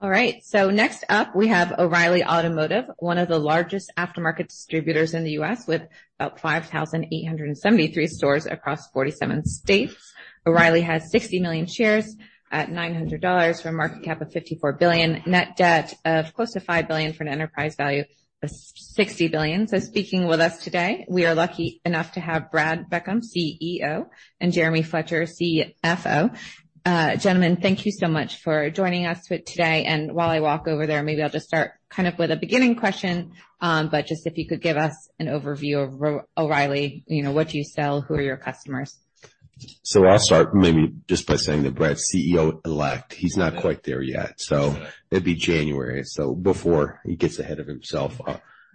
Alright, so next up we have O'Reilly Automotive, one of the largest aftermarket distributors in the U.S., with about 5,873 stores across 47 states. O'Reilly has 60 million shares at $900 for a market cap of $54 billion, net debt of close to $5 billion for an enterprise value of $60 billion. Speaking with us today, we are lucky enough to have Brad Beckham, CEO, and Jeremy Fletcher, CFO. Gentlemen, thank you so much for joining us today. While I walk over there, maybe I'll just start kind of with a beginning question. If you could give us an overview of O'Reilly, you know, what do you sell? Who are your customers? I'll start maybe just by saying that Brad's CEO-elect. He's not quite there yet. It'd be January, so before he gets ahead of himself,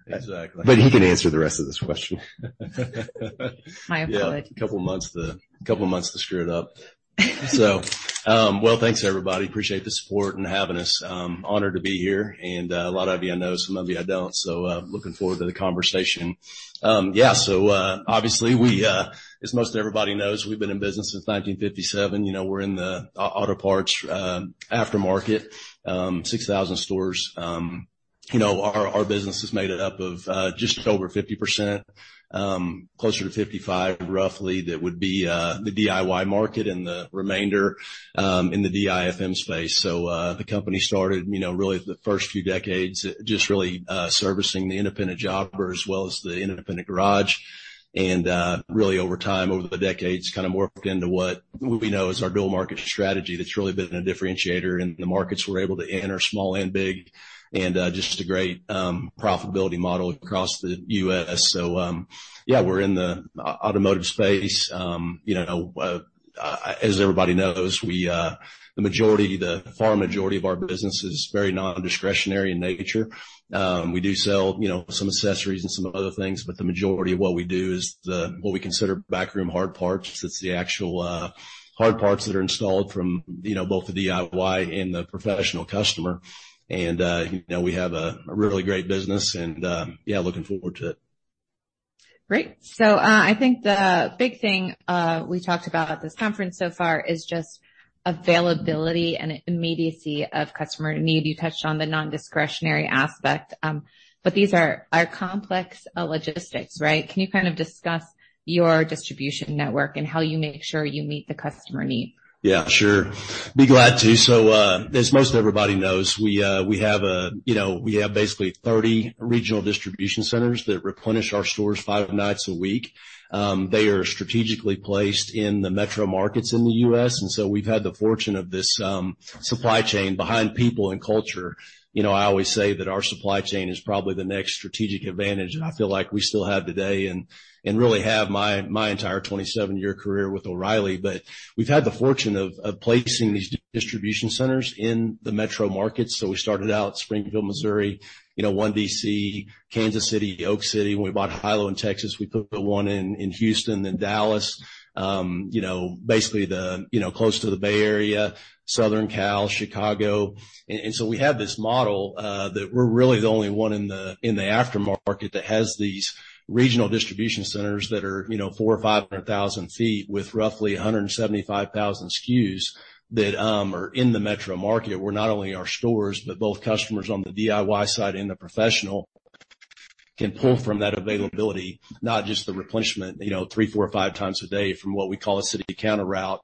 exactly. He can answer the rest of this question. I apologize. A couple months to, a couple months to screw it up. Thanks everybody. Appreciate the support and having us. Honored to be here. A lot of you, I know some of you, I don't. Looking forward to the conversation. Yeah, obviously we, as most everybody knows, we've been in business since 1957. You know, we're in the auto parts aftermarket, 6,000 stores. You know, our business is made up of just over 50%, closer to 55% roughly, that would be the DIY market and the remainder in the DIFM space. The company started, you know, really the first few decades just really servicing the independent jobber as well as the independent garage. Really over time, over the decades, kind of morphed into what we know as our dual market strategy that's really been a differentiator in the markets we're able to enter, small and big, and just a great profitability model across the U.S. Yeah, we're in the automotive space. You know, as everybody knows, the majority, the far majority of our business is very non-discretionary in nature. We do sell, you know, some accessories and some other things, but the majority of what we do is what we consider backroom hard parts. It's the actual hard parts that are installed from, you know, both the DIY and the professional customer. We have a really great business and, yeah, looking forward to it. Great. I think the big thing we talked about at this conference so far is just availability and immediacy of customer need. You touched on the non-discretionary aspect, but these are complex logistics, right? Can you kind of discuss your distribution network and how you make sure you meet the customer need? Yeah, sure. Be glad to. As most everybody knows, we have basically 30 regional distribution centers that replenish our stores five nights a week. They are strategically placed in the metro markets in the U.S. We've had the fortune of this supply chain behind people and culture. I always say that our supply chain is probably the next strategic advantage that I feel like we still have today and really have my entire 27-year career with O'Reilly. We've had the fortune of placing these distribution centers in the metro markets. We started out Springfield, Missouri, ONE DC, Kansas City, Oak City. When we bought HiLo in Texas, we put the one in Houston and Dallas, basically close to the Bay Area, Southern Cal, Chicago. We have this model that we're really the only one in the aftermarket that has these regional distribution centers that are 400,000 ft or 500,000 ft with roughly 175,000 SKUs that are in the metro market where not only our stores, but both customers on the DIY side and the professional can pull from that availability, not just the replenishment, three, four, five times a day from what we call a city counter route.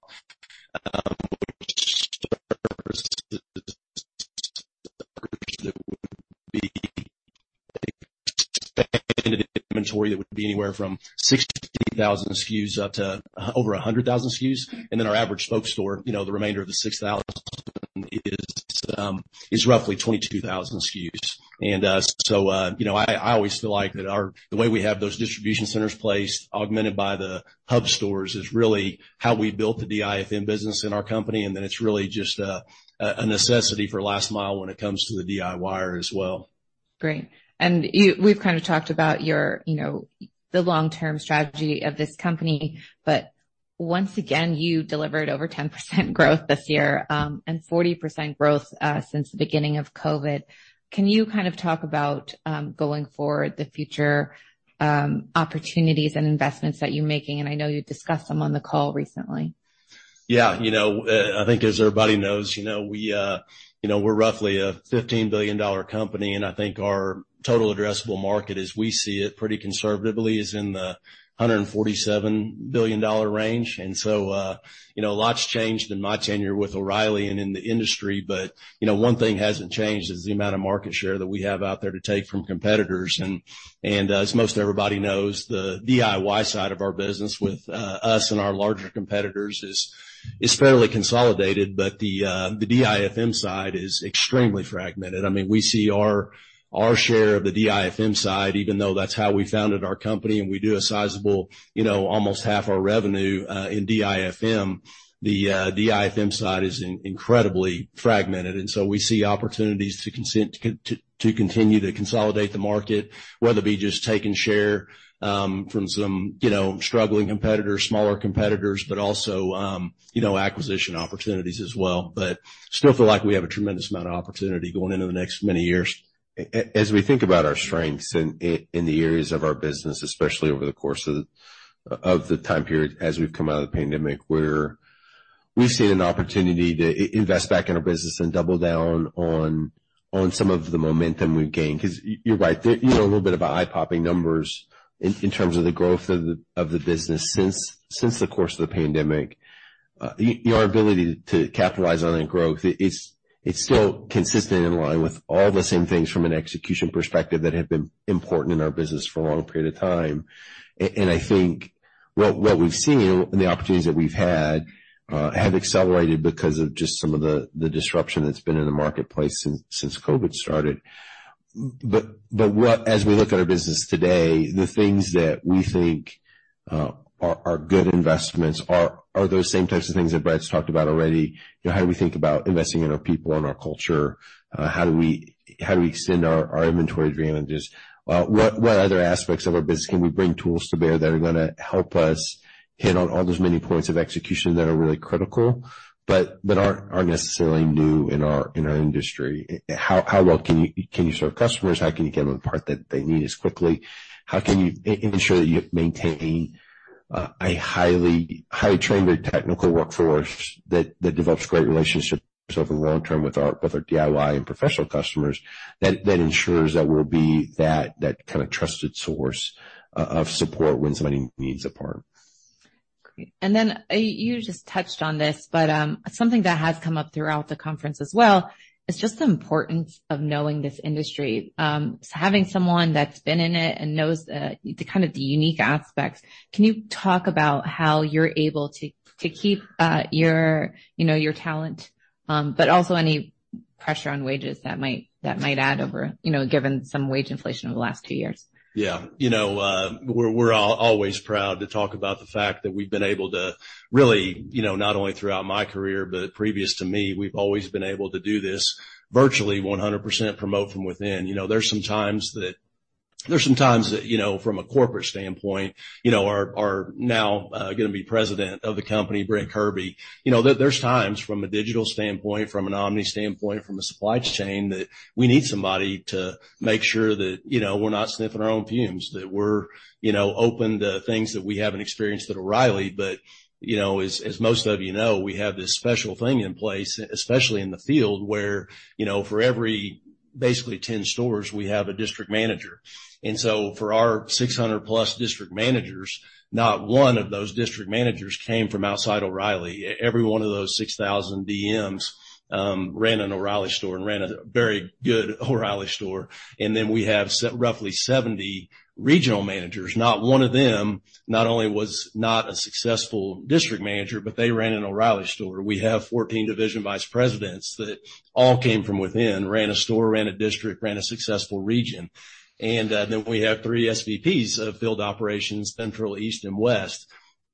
Inventory that would be anywhere from 60,000 SKUs up to over 100,000 SKUs. Our average spoke store, the remainder of the 6,000, is roughly 22,000 SKUs. I always feel like the way we have those distribution centers placed, augmented by the hub stores, is really how we built the DIFM business in our company. It's really just a necessity for last mile when it comes to the DIYer as well. Great. We've kind of talked about your, you know, the long-term strategy of this company, but once again, you delivered over 10% growth this year, and 40% growth since the beginning of COVID. Can you kind of talk about, going forward, the future, opportunities and investments that you're making? I know you discussed some on the call recently. Yeah, you know, I think as everybody knows, we're roughly a $15 billion company. I think our total addressable market, as we see it pretty conservatively, is in the $147 billion range. Lots changed in my tenure with O'Reilly and in the industry, but one thing hasn't changed is the amount of market share that we have out there to take from competitors. As most everybody knows, the DIY side of our business with us and our larger competitors is fairly consolidated, but the DIFM side is extremely fragmented. I mean, we see our share of the DIFM side, even though that's how we founded our company, and we do a sizable, almost half our revenue, in DIFM, the DIFM side is incredibly fragmented. We see opportunities to continue to consolidate the market, whether it be just taking share from some struggling competitors, smaller competitors, but also acquisition opportunities as well. I still feel like we have a tremendous amount of opportunity going into the next many years. As we think about our strengths in the areas of our business, especially over the course of the time period as we've come out of the pandemic, we've seen an opportunity to invest back in our business and double down on some of the momentum we've gained. You're right, you know, a little bit of eye-popping numbers in terms of the growth of the business since the course of the pandemic. Our ability to capitalize on that growth is still consistent and in line with all the same things from an execution perspective that have been important in our business for a long period of time. I think what we've seen and the opportunities that we've had have accelerated because of just some of the disruption that's been in the marketplace since COVID started. As we look at our business today, the things that we think are good investments are those same types of things that Brad's talked about already. You know, how do we think about investing in our people and our culture? How do we extend our inventory advantages? What other aspects of our business can we bring tools to bear that are going to help us hit on all those many points of execution that are really critical, but aren't necessarily new in our industry? How well can you serve customers? How can you get them the part that they need as quickly? How can you ensure that you maintain a highly trained technical workforce that develops great relationships over the long term with our DIY and professional customers that ensures that we'll be that kind of trusted source of support when somebody needs a part? You just touched on this, but something that has come up throughout the conference as well is the importance of knowing this industry. Having someone that's been in it and knows the unique aspects, can you talk about how you're able to keep your talent, but also any pressure on wages that might add over, given some wage inflation over the last few years? Yeah, you know, we're always proud to talk about the fact that we've been able to really, you know, not only throughout my career, but previous to me, we've always been able to do this virtually 100% promote from within. There's some times that, you know, from a corporate standpoint, our now going to be President of the company, Brent Kirby, you know, there's times from a digital standpoint, from an omni standpoint, from a supply chain that we need somebody to make sure that we're not sniffing our own fumes, that we're open to things that we haven't experienced at O'Reilly. As most of you know, we have this special thing in place, especially in the field where, for every basically 10 stores, we have a District Manager. For our 600+ District Managers, not one of those District Managers came from outside O'Reilly. Every one of those 600 DMs ran an O'Reilly store and ran a very good O'Reilly store. We have roughly 70 Regional Managers. Not one of them not only was not a successful District Manager, but they ran an O'Reilly store. We have 14 Division Vice Presidents that all came from within, ran a store, ran a district, ran a successful region. We have three SVPs, Field Operations, Central, East, and West.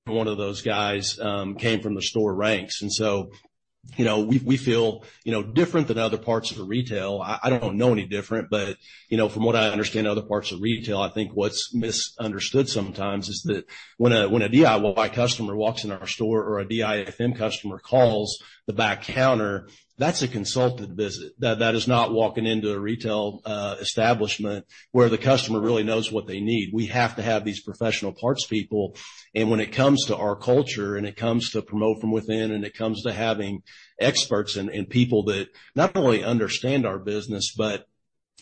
One of those guys came from the store ranks. We feel, you know, different than other parts of retail. I don't know any different, but from what I understand, other parts of retail, I think what's misunderstood sometimes is that when a DIY customer walks in our store or a DIFM customer calls the back counter, that's a consultant visit. That is not walking into a retail establishment where the customer really knows what they need. We have to have these professional parts people. When it comes to our culture and it comes to promote from within and it comes to having experts and people that not only understand our business, but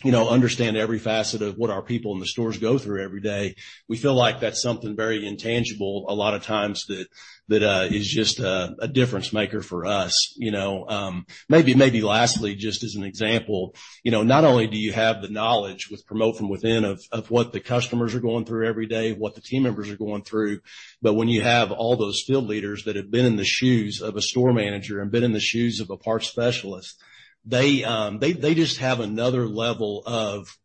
understand every facet of what our people in the stores go through every day, we feel like that's something very intangible a lot of times that is just a difference maker for us. Maybe lastly, just as an example, not only do you have the knowledge with promote-from-within of what the customers are going through every day, what the team members are going through, but when you have all those field leaders that have been in the shoes of a store manager and been in the shoes of a parts specialist, they just have another level of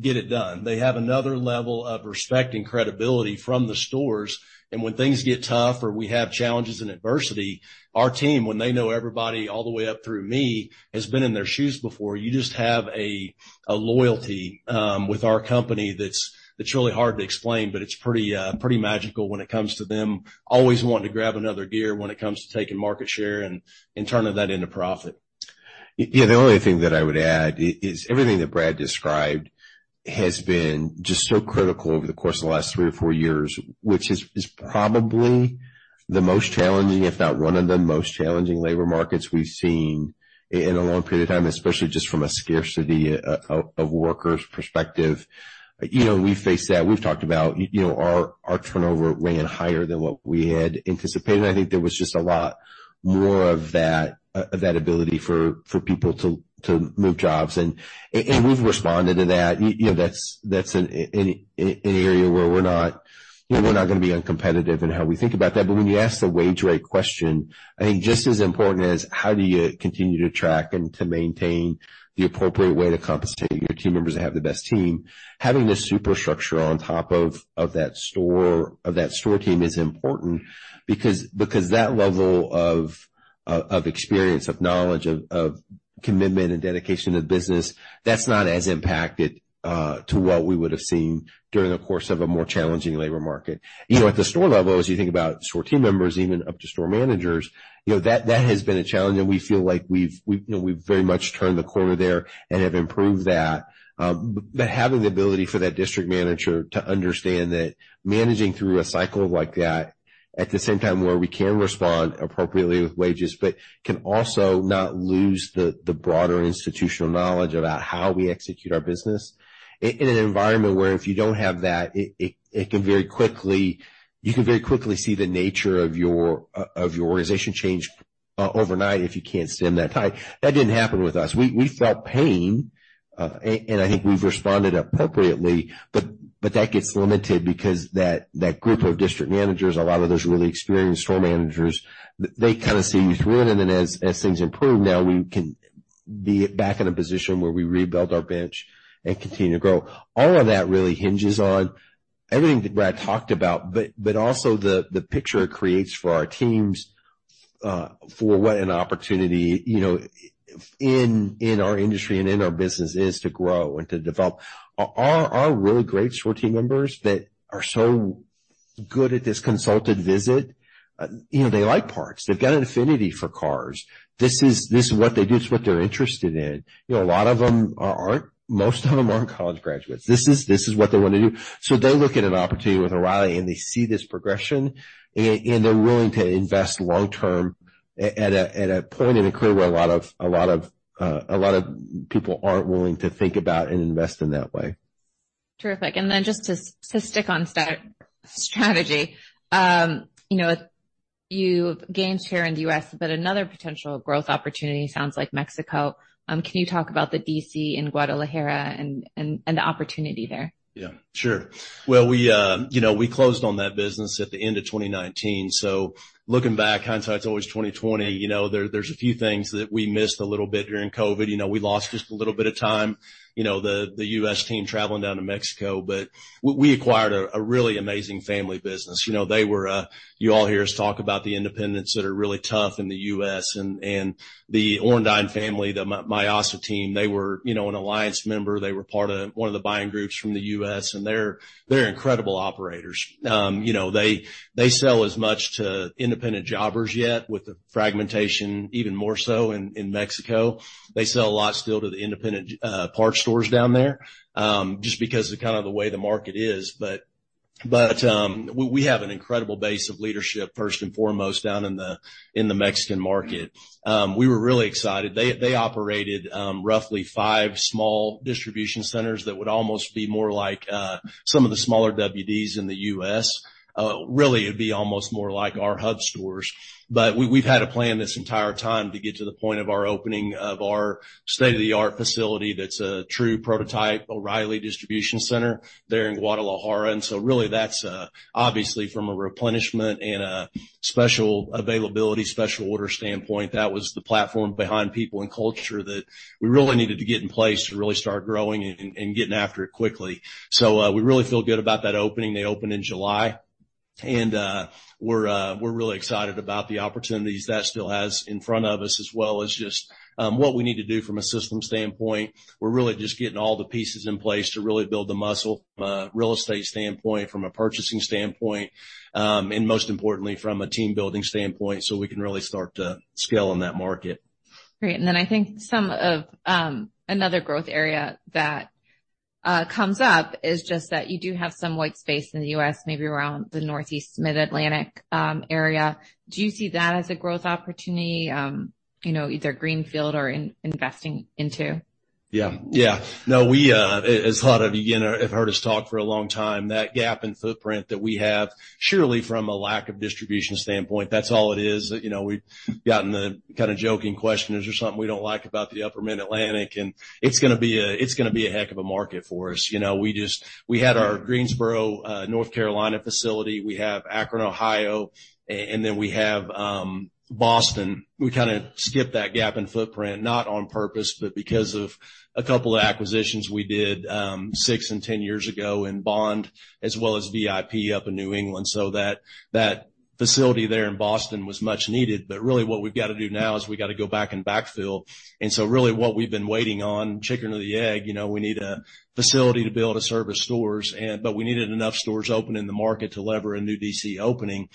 get it done. They have another level of respect and credibility from the stores. When things get tough or we have challenges and adversity, our team, when they know everybody all the way up through me, has been in their shoes before, you just have a loyalty with our company that's really hard to explain, but it's pretty magical when it comes to them always wanting to grab another gear when it comes to taking market share and turning that into profit. Yeah, the only thing that I would add is everything that Brad described has been just so critical over the course of the last three or four years, which is probably the most challenging, if not one of the most challenging labor markets we've seen in a long period of time, especially just from a scarcity of workers' perspective. We face that. We've talked about our turnover went higher than what we had anticipated. I think there was just a lot more of that, that ability for people to move jobs. We've responded to that. That's an area where we're not going to be uncompetitive in how we think about that. When you ask the wage rate question, I think just as important is how do you continue to track and to maintain the appropriate way to compensate your team members to have the best team. Having the superstructure on top of that store, of that store team is important because that level of experience, of knowledge, of commitment and dedication to the business, that's not as impacted to what we would have seen during the course of a more challenging labor market. At the store level, as you think about store team members, even up to store managers, that has been a challenge. We feel like we've very much turned the corner there and have improved that. Having the ability for that district manager to understand that managing through a cycle like that, at the same time where we can respond appropriately with wages, but can also not lose the broader institutional knowledge about how we execute our business in an environment where if you don't have that, you can very quickly see the nature of your organization change overnight if you can't spend that time. That didn't happen with us. We felt pain, and I think we've responded appropriately, but that gets limited because that group of district managers, a lot of those really experienced store managers, they kind of see who's winning. As things improve now, we can be back in a position where we rebuild our bench and continue to grow. All of that really hinges on everything that Brad talked about, but also the picture it creates for our teams, for what an opportunity in our industry and in our business is to grow and to develop. Our really great store team members that are so good at this consultant visit, they like parts. They've done Infinity for cars. This is what they do. It's what they're interested in. A lot of them aren't, most of them aren't college graduates. This is what they want to do. They look at an opportunity with O'Reilly and they see this progression, and they're willing to invest long term at a point in a career where a lot of people aren't willing to think about and invest in that way. Terrific. Just to stick on strategy, you've gained share in the U.S., but another potential growth opportunity sounds like Mexico. Can you talk about the DC in Guadalajara and the opportunity there? Yeah, sure. We closed on that business at the end of 2019. Looking back, hindsight's always 2020. There are a few things that we missed a little bit during COVID. We lost just a little bit of time, the U.S. team traveling down to Mexico, but we acquired a really amazing family business. You hear us talk about the independents that are really tough in the U.S., and the Orendaine family, the Mayasa team, they were an alliance member. They were part of one of the buying groups from the U.S., and they're incredible operators. They sell as much to independent jobbers, yet with the fragmentation even more so in Mexico. They sell a lot still to the independent parts stores down there, just because of the way the market is. We have an incredible base of leadership, first and foremost, down in the Mexican market. We were really excited. They operated roughly five small distribution centers that would almost be more like some of the smaller WDs in the U.S. It would be almost more like our hub stores. We've had a plan this entire time to get to the point of our opening of our state-of-the-art facility that's a true prototype O'Reilly distribution center there in Guadalajara. That's obviously from a replenishment and a special availability, special order standpoint. That was the platform behind people and culture that we really needed to get in place to really start growing and getting after it quickly. We really feel good about that opening. They opened in July, and we're really excited about the opportunities that still has in front of us, as well as just what we need to do from a system standpoint. We're really just getting all the pieces in place to really build the muscle, real estate standpoint, from a purchasing standpoint, and most importantly, from a team building standpoint so we can really start to scale in that market. Great. I think some of another growth area that comes up is just that you do have some white space in the U.S., maybe around the Northeast Mid-Atlantic area. Do you see that as a growth opportunity, you know, either greenfield or investing into? Yeah, yeah. No, we, as a lot of you have heard us talk for a long time, that gap in footprint that we have, surely from a lack of distribution standpoint, that's all it is. You know, we've gotten the kind of joking question, is there something we don't like about the upper Mid-Atlantic? It's going to be a heck of a market for us. We just, we had our Greensboro, North Carolina facility. We have Akron, Ohio, and then we have Boston. We kind of skipped that gap in footprint, not on purpose, but because of a couple of acquisitions we did, six and 10 years ago in Bond, as well as VIP up in New England. That facility there in Boston was much needed. What we've got to do now is we got to go back and backfill. Really what we've been waiting on, chicken or the egg, we need a facility to be able to service stores, but we needed enough stores open in the market to lever a new DC opening.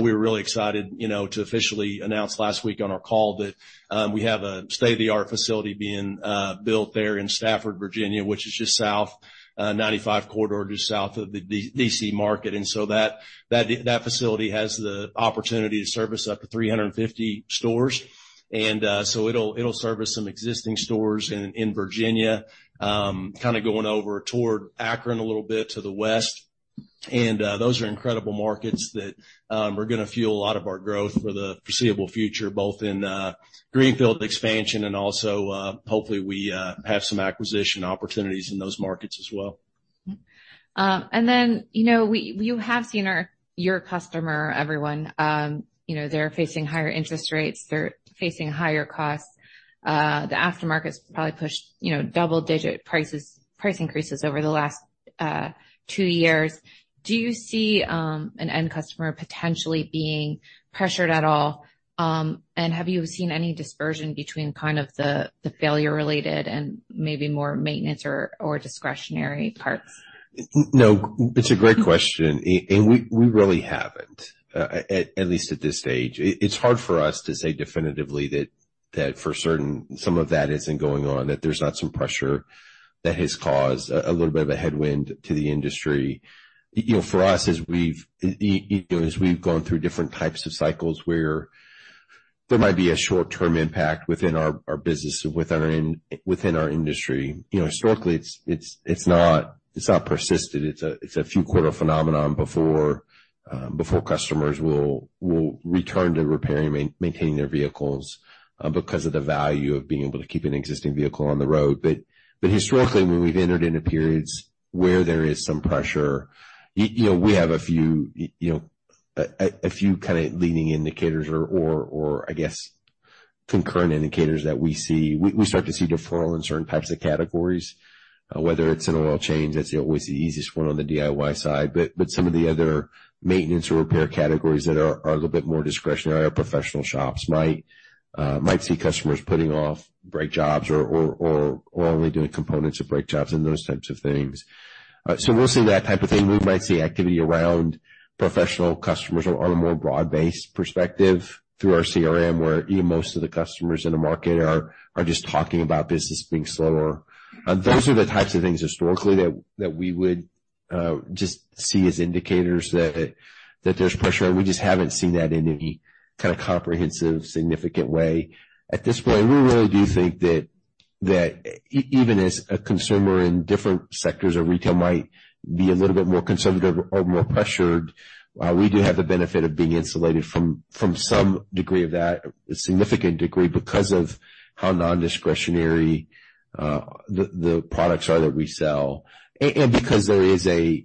We were really excited to officially announce last week on our call that we have a state-of-the-art facility being built there in Stafford, Virginia, which is just south, 95 Corridor, just south of the DC market. That facility has the opportunity to service up to 350 stores. It'll service some existing stores in Virginia, kind of going over toward Akron a little bit to the west. Those are incredible markets that are going to fuel a lot of our growth for the foreseeable future, both in greenfield expansion and also, hopefully we have some acquisition opportunities in those markets as well. You have seen our customer, everyone, they're facing higher interest rates, they're facing higher costs. The aftermarket's probably pushed double-digit price increases over the last two years. Do you see an end customer potentially being pressured at all? Have you seen any dispersion between the failure-related and maybe more maintenance or discretionary parts? No, it's a great question. We really haven't, at least at this stage. It's hard for us to say definitively that for certain, some of that isn't going on, that there's not some pressure that has caused a little bit of a headwind to the industry. For us, as we've gone through different types of cycles where there might be a short-term impact within our business and within our industry, strictly, it's not persistent. It's a few quarter phenomenon before customers will return to repairing and maintaining their vehicles because of the value of being able to keep an existing vehicle on the road. Historically, when we've entered into periods where there is some pressure, we have a few kind of leading indicators or, I guess, concurrent indicators that we see. We start to see referral in certain types of categories, whether it's an oil change, that's always the easiest one on the DIY side. Some of the other maintenance or repair categories that are a little bit more discretionary or professional shops might see customers putting off brake jobs or only doing components of brake jobs and those types of things. Most of that type of thing, we might see activity around professional customers on a more broad-based perspective through our CRM, where even most of the customers in the market are just talking about business being slower. Those are the types of things historically that we would just see as indicators that there's pressure on. We just haven't seen that in any kind of comprehensive, significant way at this point. We really do think that even as a consumer in different sectors of retail might be a little bit more conservative or more pressured, we do have the benefit of being insulated from some degree of that, a significant degree because of how non-discretionary the products are that we sell. Because there is a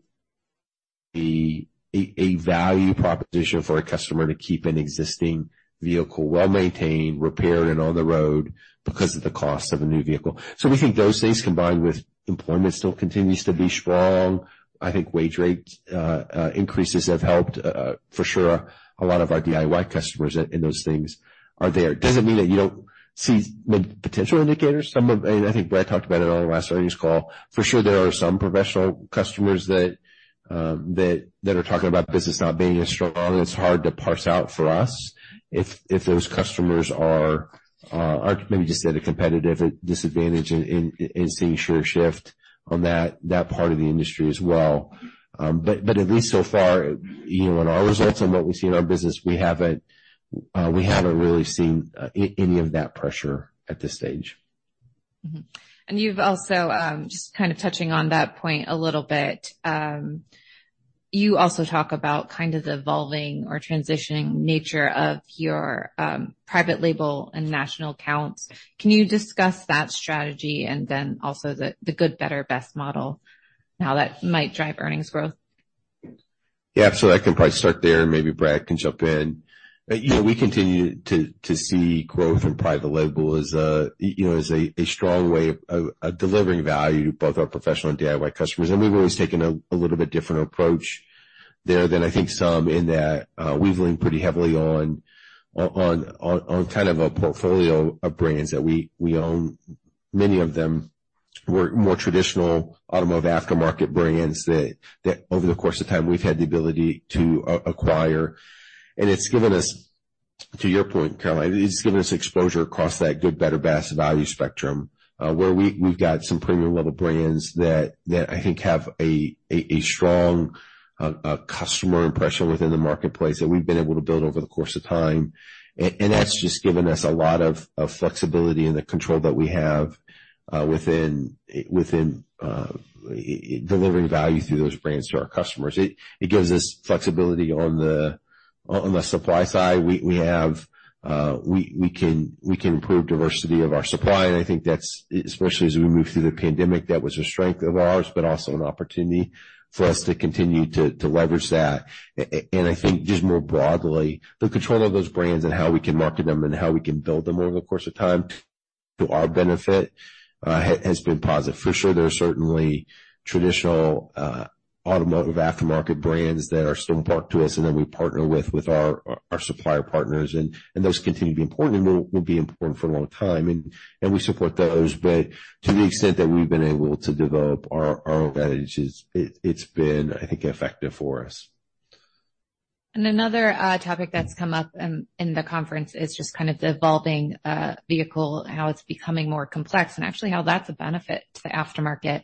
value proposition for a customer to keep an existing vehicle well maintained, repaired, and on the road because of the cost of a new vehicle. We think those things combined with employment still continues to be strong. I think wage rate increases have helped, for sure a lot of our DIY customers and those things are there. It doesn't mean that you don't see potential indicators. Some of, and I think Brad talked about it on the last earnings call. For sure, there are some professional customers that are talking about business not being as strong. It's hard to parse out for us if those customers aren't maybe just at a competitive disadvantage and seeing a shift on that part of the industry as well. At least so far, you know, in our results and what we see in our business, we haven't really seen any of that pressure at this stage. You also talk about kind of the evolving or transitioning nature of your private label and national accounts. Can you discuss that strategy and then also the good, better, best model now that might drive earnings growth? Yeah, I can probably start there and maybe Brad can jump in. We continue to see growth in private label as a strong way of delivering value to both our professional and DIY customers. We've always taken a little bit different approach there than I think some in that we've leaned pretty heavily on kind of a portfolio of brands that we own. Many of them were more traditional automotive aftermarket brands that over the course of time we've had the ability to acquire. It's given us, to your point, Caroline, it's just given exposure across that good, better, best value spectrum, where we've got some premium level brands that I think have a strong customer impression within the marketplace that we've been able to build over the course of time. That's just given us a lot of flexibility in the control that we have within delivering value through those brands to our customers. It gives us flexibility on the supply side. We can improve diversity of our supply. I think especially as we move through the pandemic, that was a strength of ours but also an opportunity for us to continue to leverage that. More broadly, the control of those brands and how we can market them and how we can build them over the course of time to our benefit has been positive. For sure, there are certainly traditional automotive aftermarket brands that are still important to us and that we partner with our supplier partners. Those continue to be important and will be important for a long time. We support those, but to the extent that we've been able to develop our own advantages, it's been, I think, effective for us. Another topic that's come up in the conference is just kind of the evolving vehicle, how it's becoming more complex and actually how that's a benefit to the aftermarket.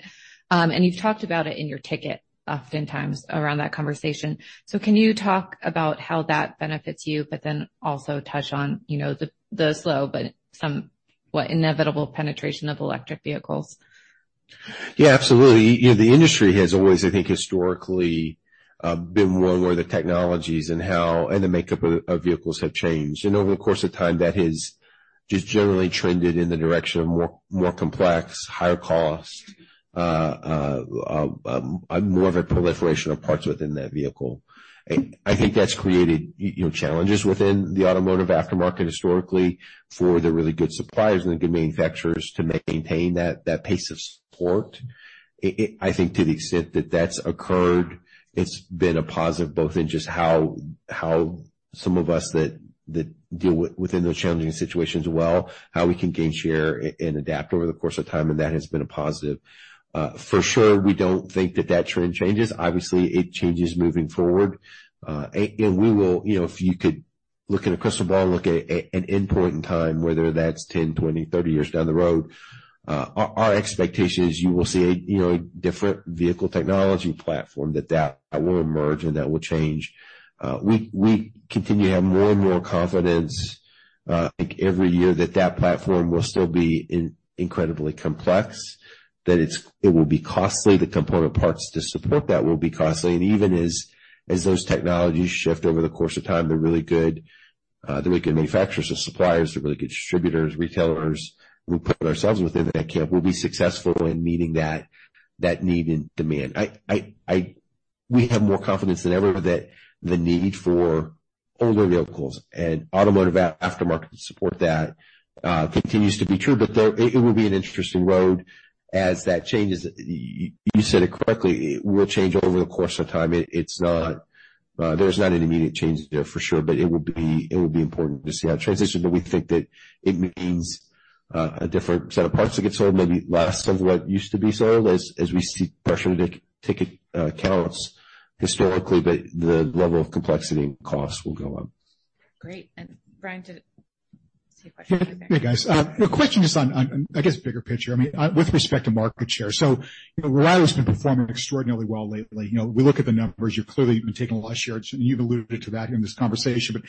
You've talked about it in your ticket oftentimes around that conversation. Can you talk about how that benefits you, but then also touch on, you know, the slow, but somewhat inevitable penetration of electric vehicles? Yeah, absolutely. The industry has always, I think, historically been one where the technologies and how, and the makeup of vehicles have changed. Over the course of time, that has just generally trended in the direction of more complex, higher costs, more of a proliferation of parts within that vehicle. I think that's created challenges within the automotive aftermarket historically for the really good suppliers and the good manufacturers to maintain that pace of support. To the extent that that's occurred, it's been a positive both in just how some of us that deal within those challenging situations well, how we can gain share and adapt over the course of time. That has been a positive for sure. We don't think that that trend changes. Obviously, it changes moving forward. We will, if you could look in a crystal ball, look at an end point in time, whether that's 10, 20, 30 years down the road, our expectation is you will see a different vehicle technology platform that will emerge and that will change. We continue to have more and more confidence every year that that platform will still be incredibly complex, that it will be costly. The component parts to support that will be costly. Even as those technologies shift over the course of time, the really good, the way good manufacturers and suppliers, the really good distributors, retailers, we put ourselves within that camp, will be successful in meeting that need and demand. We have more confidence than ever that the need for older vehicles and automotive aftermarket to support that continues to be true. Though it will be an interesting road as that changes. You said it correctly, it will change over the course of time. It's not, there's not an immediate change there for sure, but it will be important to see how it transitions. We think that it means a different set of parts that get sold, maybe less than what used to be sold as we see pressure to take accounts historically, but the level of complexity and cost will go up. Great. Brian, did I see a question? Hey guys, my question is on, I guess, a bigger picture. I mean, with respect to market share. O'Reilly Automotive's been performing extraordinarily well lately. We look at the numbers, you've clearly been taking a lot of shares, and you've alluded to that in this conversation.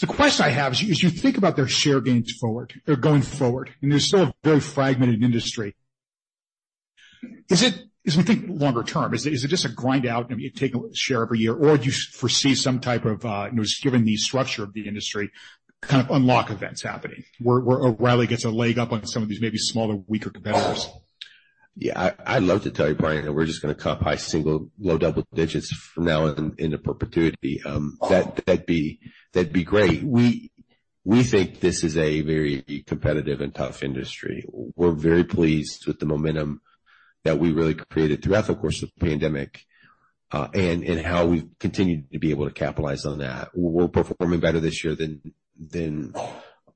The question I have is, as you think about their share gains going forward, and they're sort of both fragmented in the industry, as we think longer term, is it just a grind out and taking share every year, or do you foresee some type of, given the structure of the industry, kind of unlock events happening where O'Reilly gets a leg up on some of these maybe smaller, weaker competitors? Yeah, I'd love to tell you, Brian, we're just going to cop high single, no double digits from now and into perpetuity. That'd be great. We feel this is a very competitive and tough industry. We're very pleased with the momentum that we really created throughout the course of the pandemic, and how we've continued to be able to capitalize on that. We're performing better this year than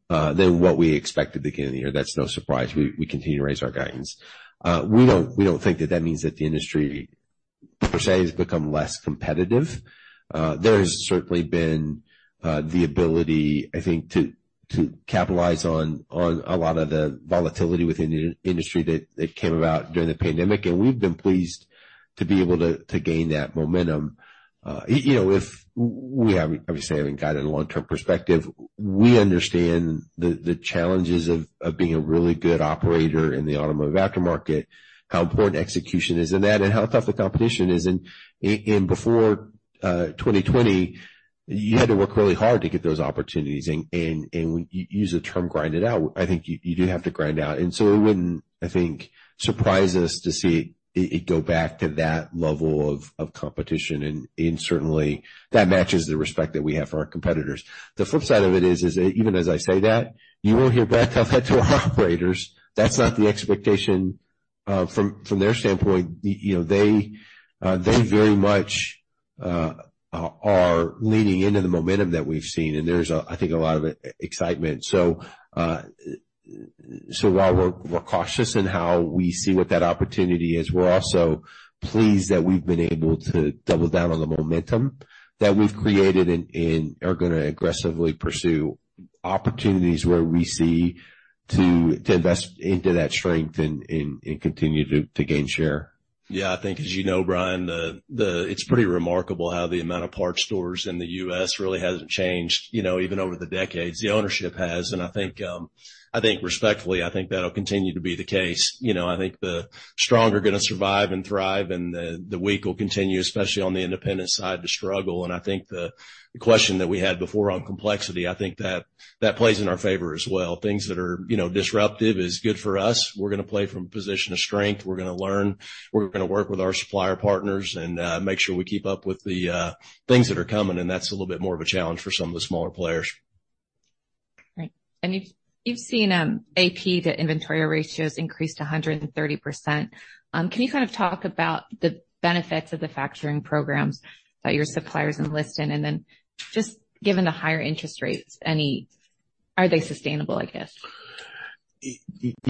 what we expected at the beginning of the year. That's no surprise. We continue to raise our guidance. We don't think that that means that the industry per se has become less competitive. There has certainly been the ability, I think, to capitalize on a lot of the volatility within the industry that came about during the pandemic. We've been pleased to be able to gain that momentum. Obviously, having gotten a long-term perspective, we understand the challenges of being a really good operator in the automotive aftermarket, how important execution is in that, and how tough the competition is. Before 2020, you had to work really hard to get those opportunities. When you use the term grind it out, I think you do have to grind out. It wouldn't, I think, surprise us to see it go back to that level of competition. Certainly, that matches the respect that we have for our competitors. The flip side of it is that even as I say that, you will hear bad tough lets from operators. That's not the expectation from their standpoint. They very much are leaning into the momentum that we've seen. There's, I think, a lot of excitement. While we're cautious in how we see what that opportunity is, we're also pleased that we've been able to double down on the momentum that we've created and are going to aggressively pursue opportunities where we see to invest into that strength and continue to gain share. Yeah, I think, as you know, Brian, it's pretty remarkable how the amount of parts stores in the U.S. really hasn't changed, you know, even over the decades. The ownership has. I think respectfully, I think that'll continue to be the case. I think the strong are going to survive and thrive, and the weak will continue, especially on the independent side, to struggle. I think the question that we had before on complexity, I think that plays in our favor as well. Things that are disruptive are good for us. We're going to play from a position of strength. We're going to learn. We're going to work with our supplier partners and make sure we keep up with the things that are coming. That's a little bit more of a challenge for some of the smaller players. Right. You've seen AP-to inventory ratios increase to 130%. Can you kind of talk about the benefits of the supplier factoring programs that your suppliers enlist in? Given the higher interest rates, are they sustainable, I guess?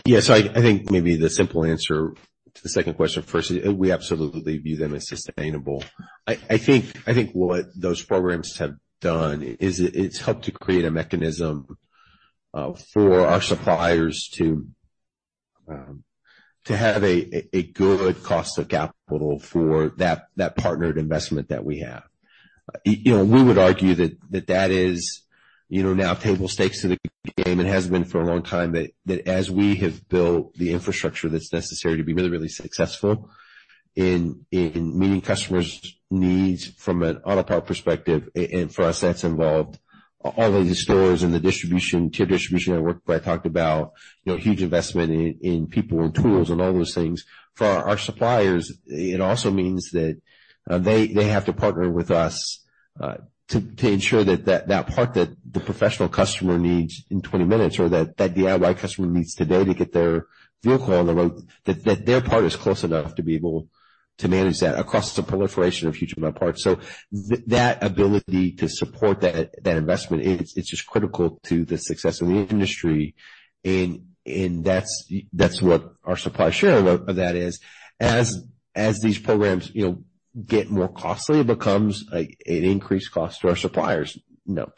Yes, I think maybe the simple answer to the second question first is we absolutely view them as sustainable. I think what those programs have done is it's helped to create a mechanism for our suppliers to have a good cost of capital for that partnered investment that we have. We would argue that that is now table stakes to the game. It has been for a long time that as we have built the infrastructure that's necessary to be really, really successful in meeting customer needs from an auto parts perspective. For us, that's involved all the stores and the distribution to distribution network that I talked about, huge investment in people and tools and all those things. For our suppliers, it also means that they have to partner with us to ensure that part that the professional customer needs in 20 minutes or that DIY customer needs to get their vehicle on the road, that their part is close enough to be able to manage that across the proliferation of future of my part. That ability to support that investment is just critical to the success of the industry. That's what our supply share of that is. As these programs get more costly, it becomes like an increased cost to our suppliers.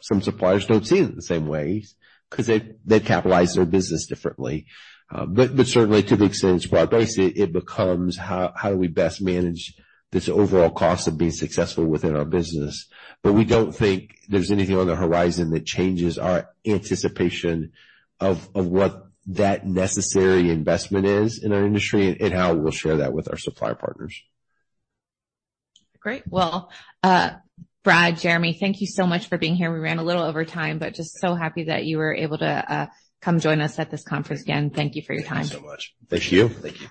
Some suppliers don't see it in the same way because they've capitalized their business differently, but certainly to the extent it's broad-based, it becomes how do we best manage this overall cost of being successful within our business? We don't think there's anything on the horizon that changes our anticipation of what that necessary investment is in our industry and how we'll share that with our supply partners. Great. Brad, Jeremy, thank you so much for being here. We ran a little over time, but just so happy that you were able to come join us at this conference again. Thank you for your time. Thank you. Thank you.